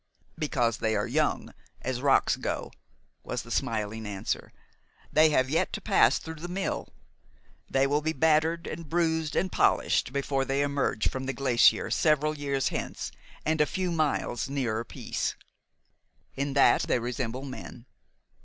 "Because they are young, as rocks go," was the smiling answer. "They have yet to pass through the mill. They will be battered and bruised and polished before they emerge from the glacier several years hence and a few miles nearer peace. In that they resemble men.